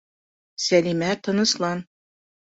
Сәлимә, тыныслан...